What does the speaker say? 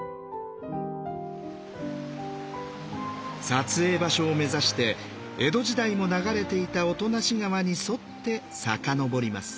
撮影場所を目指して江戸時代も流れていた音無川に沿って遡ります。